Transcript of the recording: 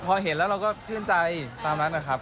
พอเห็นแล้วเราก็ชื่นใจตามนั้นนะครับ